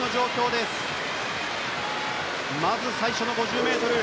まず最初の５０ｍ。